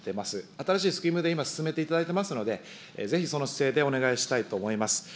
新しいスキームで今、進めていただいていますので、ぜひその姿勢でお願いしたいと思います。